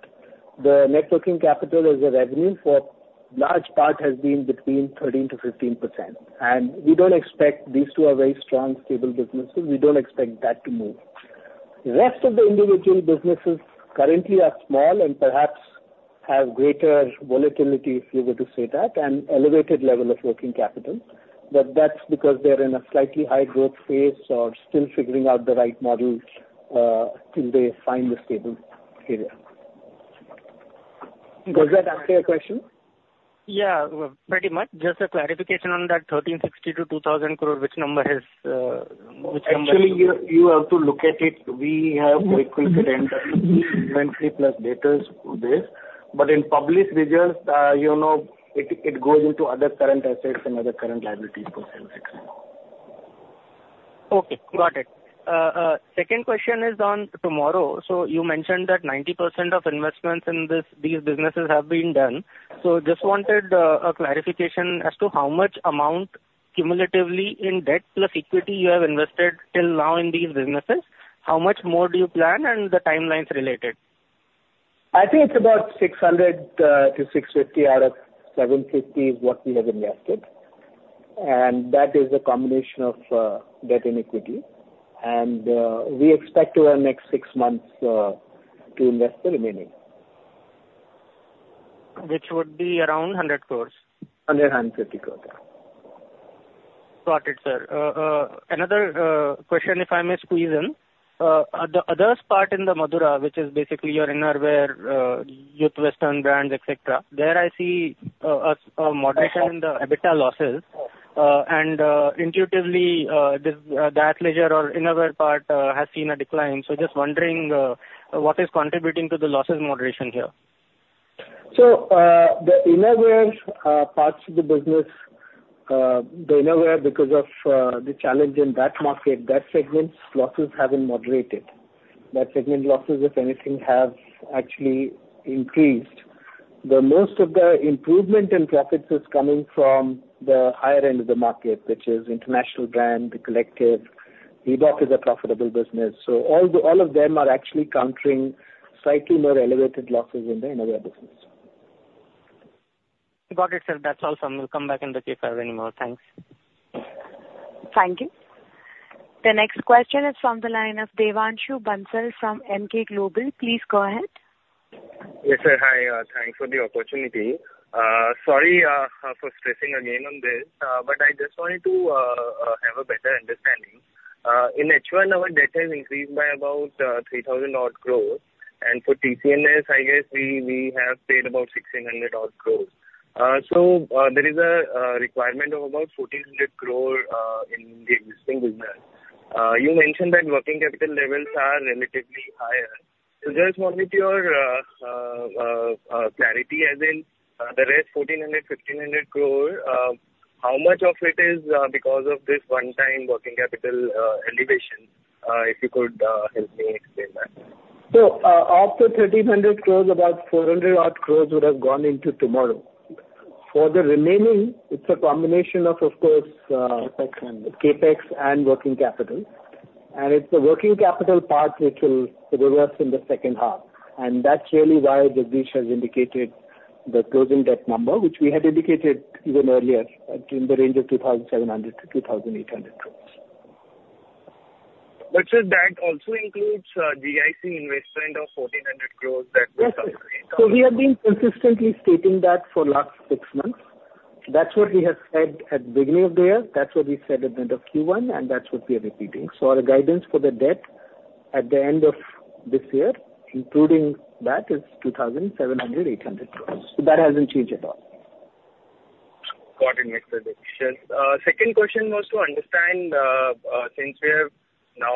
the net working capital as a revenue for large part has been between 13% to 15%. And we don't expect... These two are very strong, stable businesses, we don't expect that to move. Rest of the individual businesses currently are small and perhaps have greater volatility, if you were to say that, and elevated level of working capital, but that's because they're in a slightly high growth phase or still figuring out the right models, till they find the stable area. Does that answer your question? Yeah, pretty much. Just a clarification on that, 1,360 crore to 2,000 crore, which number has, which number- Actually, you have to look at it. We have equal inventory plus debtors this, but in published results, it goes into other current assets and other current liabilities for sales.... Okay, got it. Second question is on TMRW. So you mentioned that 90% of investments in this, these businesses have been done. So just wanted a clarification as to how much amount cumulatively in debt plus equity you have invested till now in these businesses? How much more do you plan and the timelines related? I think it's about 600 to 650 out of 750 is what we have invested, and that is a combination of debt and equity. And we expect over the next 6 months to invest the remaining. Which would be around 100 crore. 150 crore Got it, sir. Another question, if I may squeeze in. At the others part in the Madura, which is basically your innerwear, youth western brands, et cetera, there I see a moderation in the EBITDA losses. Yes. Intuitively, that leisure or innerwear part has seen a decline. So just wondering, what is contributing to the losses moderation here? The innerwear parts of the business, the innerwear because of the challenge in that market, that segment's losses haven't moderated. That segment losses, if anything, have actually increased. The most of the improvement in profits is coming from the higher end of the market, which is international brand, The Collective. Reebok is a profitable business. So all of them are actually countering slightly more elevated losses in the innerwear business. Got it, sir. That's all from me. Will come back in the queue if I have any more. Thanks. Thank you. The next question is from the line of Devanshu Bansal from Emkay Global. Please go ahead. Yes, sir. Hi, thanks for the opportunity. Sorry for stressing again on this, but I just wanted to have a better understanding. In H1, our debt has increased by about 3,000 odd crore, and for TCNS, I guess we have paid about 1,600 odd crore. So, there is a requirement of about 1,400 crore in the existing business. You mentioned that working capital levels are relatively higher. So just wanted your clarity, as in, there is 1,400 to 1,500 crore, how much of it is because of this one-time working capital elevation? If you could help me explain that. Of the 1,300 crore, about 400 odd crore would have gone into TMRW. For the remaining, it's a combination of, of course, CapEx. CapEx and working capital. It's the working capital part which will reverse in the second half, and that's really why Jagdish has indicated the closing debt number, which we had indicated even earlier, in the range of 2,700 to 2,800 crore. But, sir, that also includes GIC investment of 1,400 crore that will come in? Yes, sir. So we have been consistently stating that for last six months. That's what we have said at the beginning of the year, that's what we said at the end of Q1, and that's what we are repeating. So our guidance for the debt at the end of this year, including that, is 2,700 to 2,800 crores. So that hasn't changed at all. Got it, Mr. Dikshit. Second question was to understand, since we have now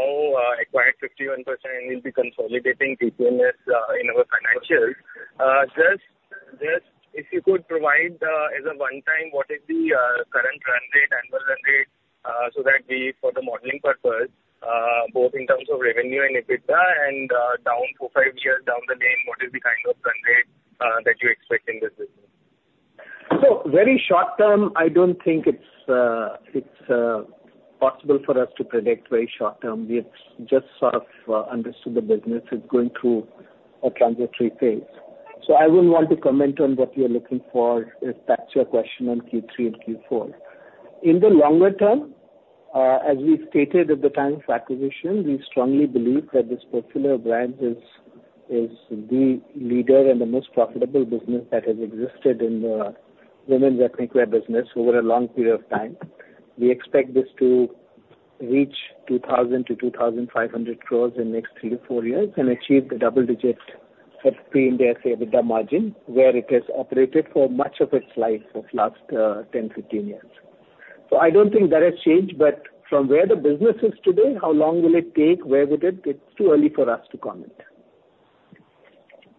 acquired 51% and we'll be consolidating TCNS in our financials, just, just if you could provide, as a one-time, what is the current run rate, annual run rate, so that we, for the modeling purpose, both in terms of revenue and EBITDA and, down, four, five years down the lane, what is the kind of run rate that you expect in this business? So very short term, I don't think it's, it's, possible for us to predict very short term. We have just sort of understood the business. It's going through a transitory phase. So I wouldn't want to comment on what you're looking for, if that's your question, on Q3 and Q4. In the longer term, as we stated at the time of acquisition, we strongly believe that this popular brand is, is the leader and the most profitable business that has existed in the women's ethnic wear business over a long period of time. We expect this to reach 2,000 crore to 2,500 crore in the next three to four years and achieve the double digits EPS Pre-Ind AS EBITDA margin, where it has operated for much of its life of last 10, 15 years. So, I don't think that has changed, but from where the business is today, how long will it take, where would it? It's too early for us to comment.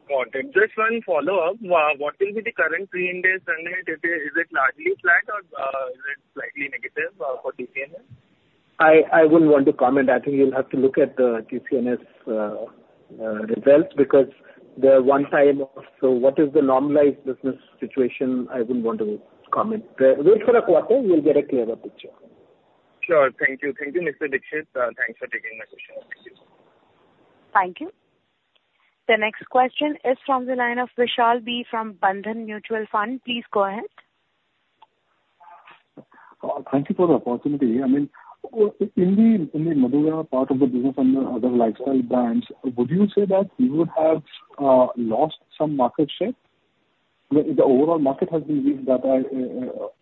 Got it. Just one follow-up. What will be the current Pre-Ind AS run rate? Is it largely flat or is it slightly negative for TCNS? I, I wouldn't want to comment. I think you'll have to look at the TCNS results, because the one time, so what is the normalized business situation, I wouldn't want to comment. Wait for a quarter, you'll get a clearer picture. Sure. Thank you. Thank you, Mr. Dikshit. Thanks for taking my question. Thank you. The next question is from the line of Vishal B from Bandhan Mutual Fund. Please go ahead. Thank you for the opportunity. I mean, in the Madura part of the business and the other Lifestyle Brands, would you say that you would have lost some market share? The overall market has been weak, that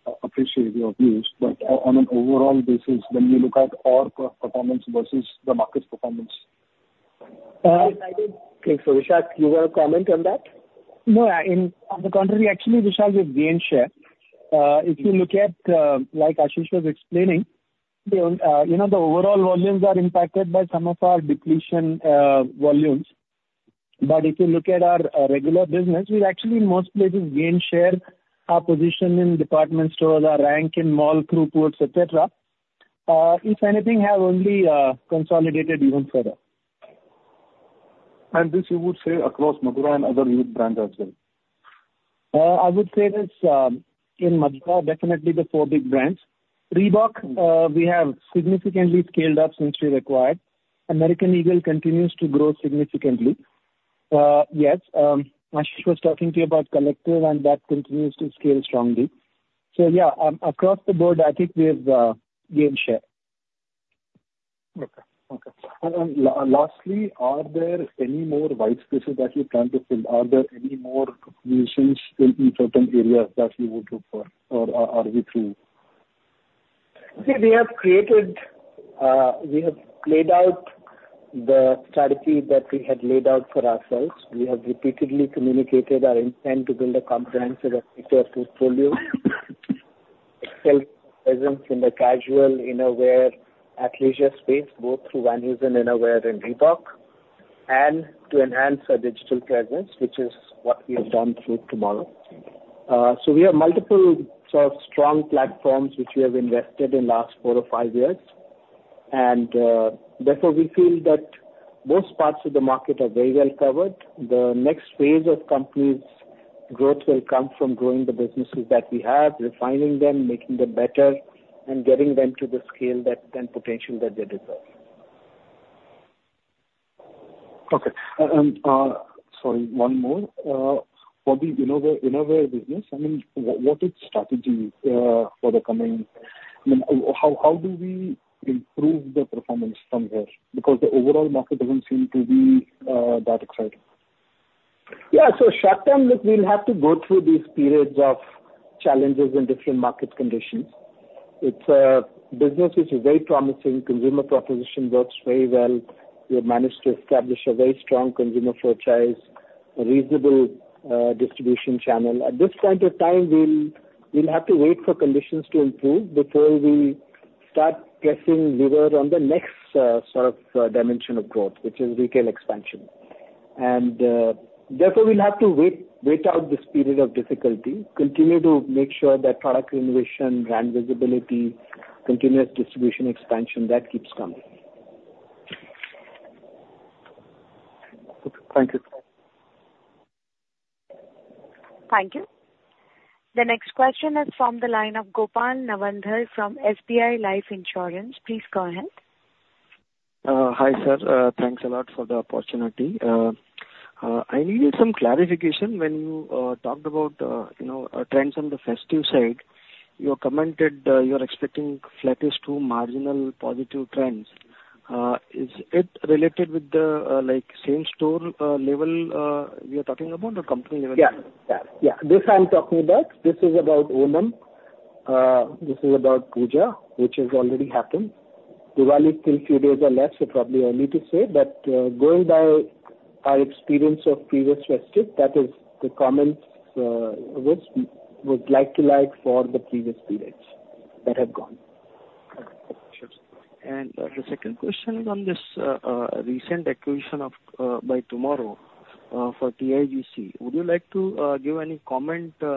I appreciate your views, but on an overall basis, when you look at our performance versus the market's performance. Vishak, do you want to comment on that? No, on the contrary, actually, Vishal, we've gained share. If you look at, like Ashish was explaining, you know, the overall volumes are impacted by some of our depletion volumes. But if you look at our regular business, we've actually in most places gained share, our position in department stores, our rank in mall throughputs, et cetera, if anything, have only consolidated even further. This you would say across Madura and other youth brands as well? I would say this, in Madura, definitely the four big brands. Reebok, we have significantly scaled up since we acquired. American Eagle continues to grow significantly. Yes, Ashish was talking to you about Collective, and that continues to scale strongly. So, yeah, across the board, I think we've gained share. Okay. Okay. And lastly, are there any more white spaces that you're planning to fill? Are there any more acquisitions in certain areas that you would look for, or are we through? Okay, we have created, we have laid out the strategy that we had laid out for ourselves. We have repeatedly communicated our intent to build a comprehensive portfolio, a self presence in the casual, innerwear, athleisure space, both through Van Heusen Innerwear and Reebok, and to enhance our digital presence, which is what we have done through TMRW. So we have multiple sort of strong platforms which we have invested in last four or five years, and, therefore, we feel that most parts of the market are very well covered. The next phase of company's growth will come from growing the businesses that we have, refining them, making them better, and getting them to the scale that and potential that they deserve. Okay. Sorry, one more. For the innerwear, innerwear business, I mean, what, what is strategy for the coming... I mean, how, how do we improve the performance from here? Because the overall market doesn't seem to be that exciting. Yeah. So short term, look, we'll have to go through these periods of challenges in different market conditions. It's a business which is very promising. Consumer proposition works very well. We have managed to establish a very strong consumer franchise, a reasonable distribution channel. At this point of time, we'll have to wait for conditions to improve before we start pressing lever on the next sort of dimension of growth, which is retail expansion. And therefore, we'll have to wait out this period of difficulty, continue to make sure that product innovation, brand visibility, continuous distribution expansion, that keeps coming. Okay. Thank you. Thank you. The next question is from the line of Gopal Nawandhar from SBI Life Insurance. Please go ahead. Hi, sir, thanks a lot for the opportunity. I needed some clarification when you talked about, you know, trends on the festive side. You commented, you're expecting flattish to marginal positive trends. Is it related with the, like, same store level we are talking about or company level? Yeah. Yeah. Yeah. This I'm talking about. This is about Onam. This is about Pujo, which has already happened. Diwali, still few days are left, so probably early to say, but, going by our experience of previous festive, that is the comments, which we would like to like for the previous periods that have gone. Sure, sir. And, the second question on this recent acquisition of by TMRW for TIGC. Would you like to give any comment, you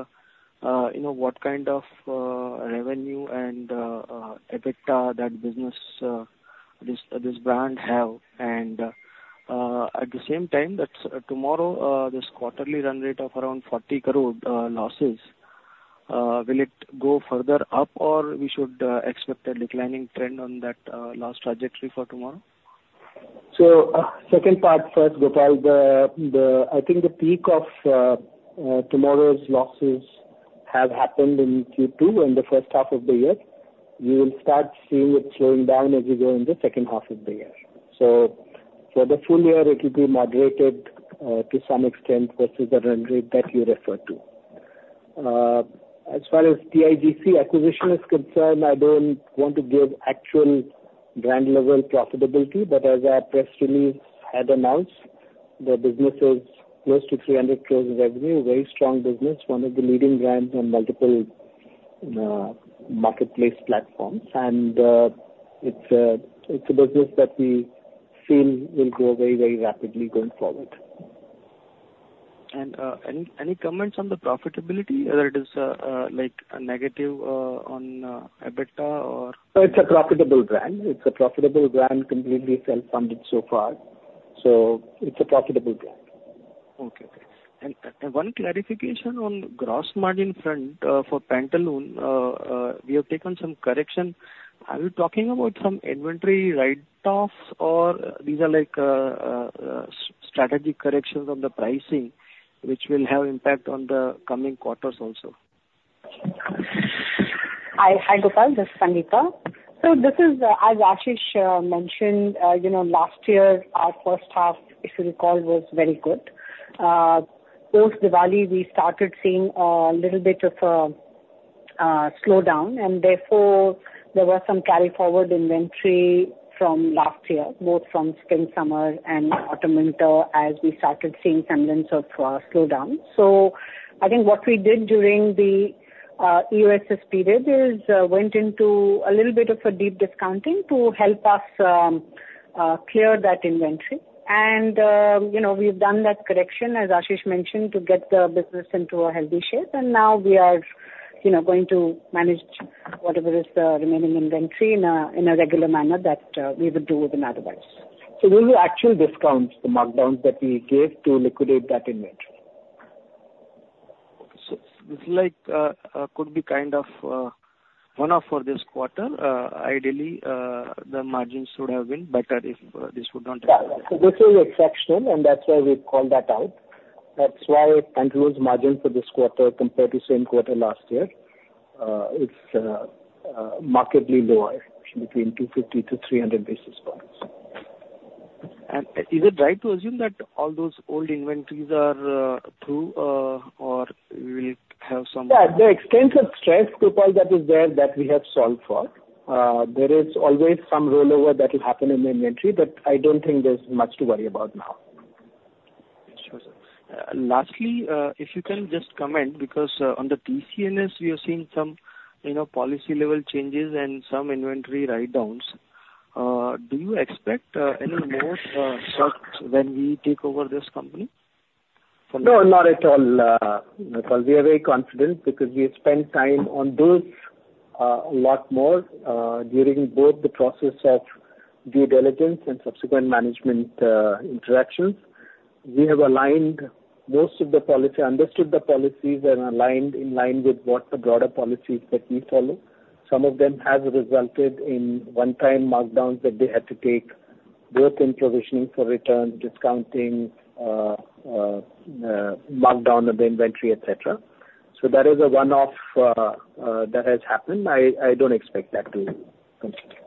know, what kind of revenue and EBITDA that business, this brand have? And, at the same time, that's TMRW, this quarterly run rate of around 40 crore losses, will it go further up, or we should expect a declining trend on that loss trajectory for TMRW? So, second part first, Gopal. I think the peak of TMRW's losses have happened in Q2, in the first half of the year. We will start seeing it slowing down as we go in the second half of the year. So for the full year, it will be moderated to some extent versus the run rate that you referred to. As far as TIGC acquisition is concerned, I don't want to give actual brand level profitability, but as our press release had announced, the business is close to 300 crore of revenue. A very strong business, one of the leading brands on multiple marketplace platforms. And it's a business that we feel will grow very, very rapidly going forward. Any comments on the profitability, whether it is like a negative on EBITDA or? No, it's a profitable brand. It's a profitable brand, completely self-funded so far. So it's a profitable brand. Okay. And one clarification on gross margin front for Pantaloons, we have taken some correction. Are you talking about some inventory write-offs, or these are like strategic corrections on the pricing, which will have impact on the coming quarters also? Hi, hi, Gopal. This is Sangeeta. So this is, as Ashish mentioned, you know, last year, our first half, if you recall, was very good. Post Diwali, we started seeing a little bit of a slowdown, and therefore, there was some carry forward inventory from last year, both from Spring/Summer and Autumn/Winter, as we started seeing some hints of slowdown. So I think what we did during the EOSS period is went into a little bit of a deep discounting to help us clear that inventory. And, you know, we've done that correction, as Ashish mentioned, to get the business into a healthy shape. And now we are- ... you know, going to manage whatever is the remaining inventory in a regular manner that we would do within otherwise. So those are actual discounts, the markdowns that we gave to liquidate that inventory. This, like, could be kind of one-off for this quarter. Ideally, the margins should have been better if this would not happen. Yeah, so this is exceptional, and that's why we called that out. That's why Pantaloons' margin for this quarter compared to same quarter last year is markedly lower, between 250 to 300 basis points. Is it right to assume that all those old inventories are through, or we will have some? Yeah, the extent of stress, Gopal, that is there, that we have solved for. There is always some rollover that will happen in the inventory, but I don't think there's much to worry about now. Sure, sir. Lastly, if you can just comment, because on the TCNS, we are seeing some, you know, policy-level changes and some inventory write-downs. Do you expect any more shocks when we take over this company? No, not at all, Gopal. We are very confident because we've spent time on those, a lot more, during both the process of due diligence and subsequent management, interactions. We have aligned most of the policy, understood the policies and aligned, in line with what the broader policies that we follow. Some of them have resulted in one-time markdowns that they had to take, both in provisioning for return, discounting, markdown of the inventory, et cetera. So that is a one-off, that has happened. I don't expect that to continue.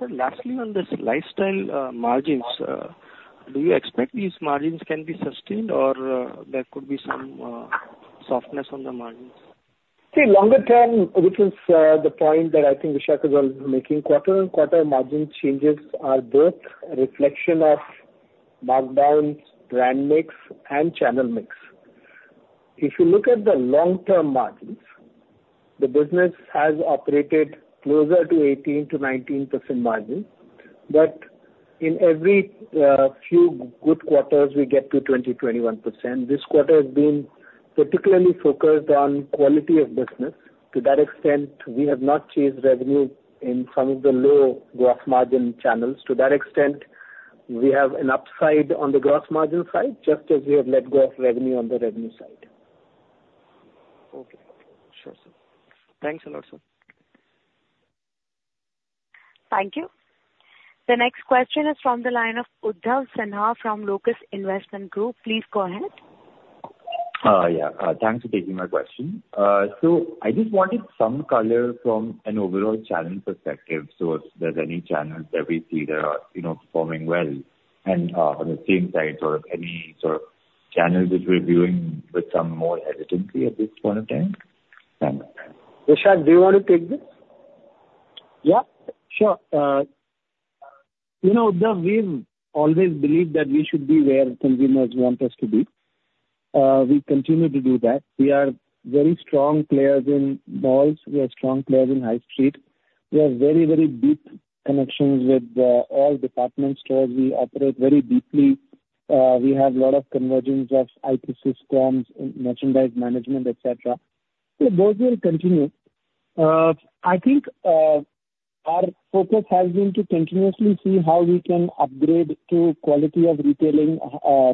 Sir, lastly, on this lifestyle margins, do you expect these margins can be sustained or there could be some softness on the margins? See, longer term, which is, the point that I think Vishak was making, quarter-on-quarter margin changes are both a reflection of markdowns, brand mix, and channel mix. If you look at the long-term margins, the business has operated closer to 18% to 19% margin. But in every, few good quarters, we get to 20% to 21%. This quarter has been particularly focused on quality of business. To that extent, we have not chased revenue in some of the low gross margin channels. To that extent, we have an upside on the gross margin side, just as we have let go of revenue on the revenue side. Okay. Sure, sir. Thanks a lot, sir. Thank you. The next question is from the line of Udhav Sinha from Locus Investment Group. Please go ahead. Yeah, thanks for taking my question. So I just wanted some color from an overall channel perspective. So if there's any channels that we see that are, you know, performing well, and, on the same side, sort of any sort of channels which we're doing with some more hesitancy at this point in time? Vishak, do you want to take this? Yeah, sure. You know, Udhav, we've always believed that we should be where consumers want us to be. We continue to do that. We are very strong players in malls. We are strong players in high street. We have very, very deep connections with all department stores. We operate very deeply. We have a lot of convergence of IT systems, merchandise management, et cetera. So those will continue. I think our focus has been to continuously see how we can upgrade to quality of retailing,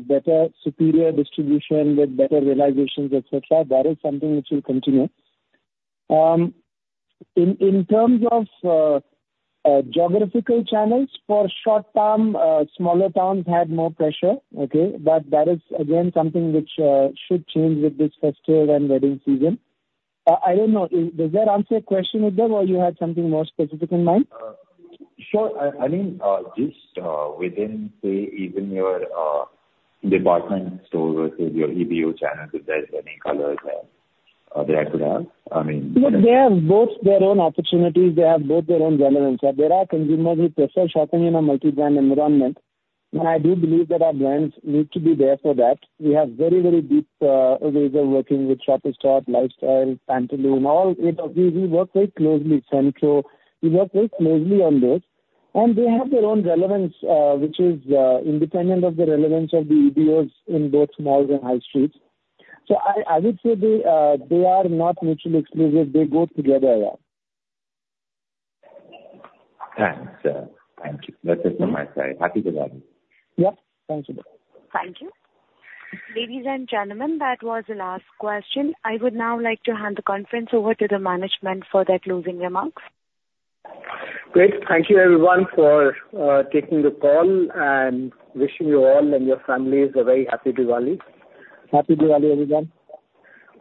better, superior distribution with better realizations, et cetera. That is something which will continue. In terms of geographical channels, for short term, smaller towns had more pressure, okay? But that is, again, something which should change with this festival and wedding season. I don't know, does that answer your question, Udhav, or you had something more specific in mind? Sure. I mean, just within, say, even your department store versus your EBO channels, if there's any colors there that I could have, I mean- They have both their own opportunities, they have both their own relevance. There are consumers who prefer shopping in a multi-brand environment, and I do believe that our brands need to be there for that. We have very, very deep ways of working with Shoppers Stop, Lifestyle, Pantaloons, all eight of these. We work very closely, Centro. We work very closely on those, and they have their own relevance, which is independent of the relevance of the EBOs in both malls and high streets. So I, I would say they, they are not mutually exclusive. They go together well. Thanks, sir. Thank you. That's it from my side. Happy Diwali! Yeah, thank you. Thank you. Ladies and gentlemen, that was the last question. I would now like to hand the conference over to the management for their closing remarks. Great. Thank you, everyone, for taking the call and wishing you all and your families a very happy Diwali. Happy Diwali, everyone.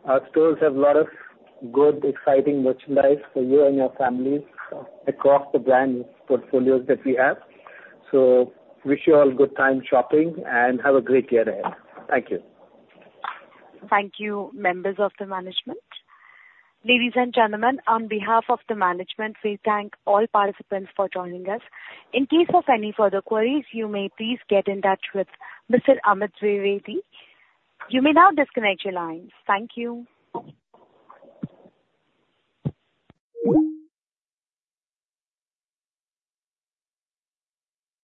Our stores have a lot of good, exciting merchandise for you and your families across the brand portfolios that we have. So wish you all good time shopping, and have a great year ahead. Thank you. Thank you, members of the management. Ladies and gentlemen, on behalf of the management, we thank all participants for joining us. In case of any further queries, you may please get in touch with Mr. Amit Dwivedi. You may now disconnect your lines. Thank you.